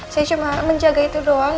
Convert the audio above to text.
saya cuma menjaga itu doang